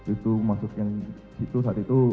itu masuknya itu saat itu